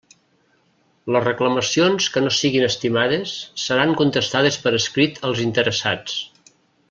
Les reclamacions que no siguin estimades seran contestades per escrit als interessats.